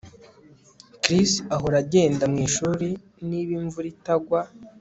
Chris ahora agenda mwishuri niba imvura itagwa